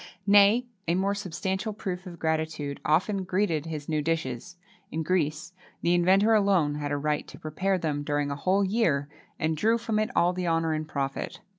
Nay, a more substantial proof of gratitude often greeted his new dishes. In Greece, the inventor alone had a right to prepare them during a whole year, and drew from it all the honour and profit.